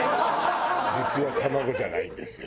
実は卵じゃないんですよ。